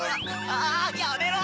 あやめろ！